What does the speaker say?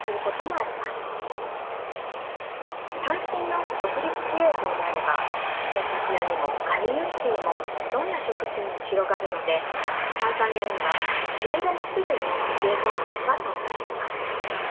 単身の独立自営業であれば洗濯屋にも髪結い師にもどんな職種にも広がるのでタンザニアにはいろいろな種類のギグエコノミーが存在します。